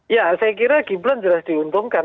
ya saya kira gibran jelas diuntungkan